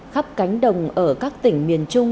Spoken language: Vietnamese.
khắp cánh đồng ở các tỉnh miền trung